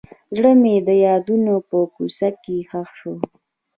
زړه مې د یادونو په کوڅو کې ښخ شو.